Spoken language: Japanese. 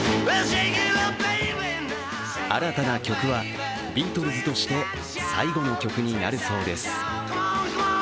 新たな曲は、ビートルズとして最後の曲になるそうです。